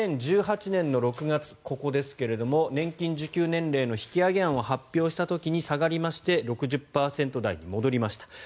２０１８年の６月ここですけど年金受給年齢の引き上げ案を発表した時に下がりまして６０％台に戻りました。